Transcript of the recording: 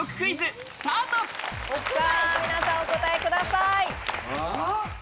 皆さんお答えください。